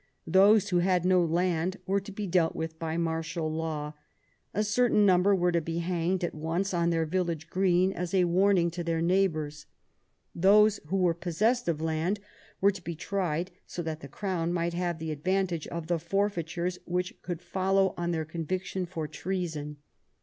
Those who had no land were to be dealt with by martial law; a certain number were to be hanged at once on their village green, as a warning to their neighbours. Those who were possessed of land were to be tried, so that the Crown might have the advantage of the forfeitures which could follow on their conviction for treason.